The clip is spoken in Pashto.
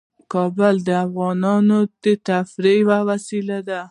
کابل د افغانانو د تفریح یوه وسیله ده.